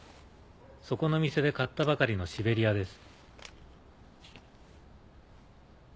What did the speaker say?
そこの店で買ったばかりのシベリヤです。